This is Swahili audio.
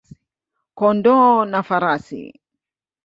kondoo na farasi.